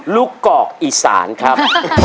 ลูกกอกอีสานครับ